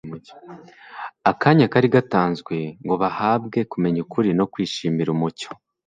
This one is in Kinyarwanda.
Akanya kari gatanzwe ngo bahabwe kumenya ukuri no kwishimira umucyo.